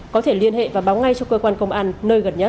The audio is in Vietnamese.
có thể liên hệ và báo ngay cho cơ quan công an nơi gần nhất